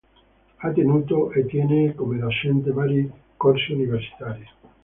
Ha tenuto e tiene come docente vari corsi universitari.